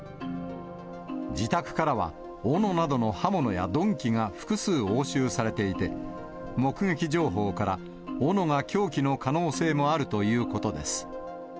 自宅からはおのなどの刃物や鈍器が複数押収されていて、目撃情報から、おのが凶器の可能性もあるということです。